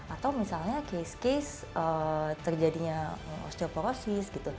atau misalnya case case terjadinya osteoporosis gitu